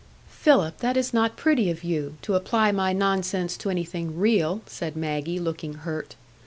"Philip, that is not pretty of you, to apply my nonsense to anything real," said Maggie, looking hurt.